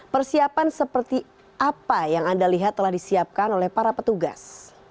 persiapan seperti apa yang anda lihat telah disiapkan oleh para petugas